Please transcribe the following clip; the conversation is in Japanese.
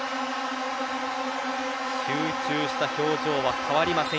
集中した表情は変わりません。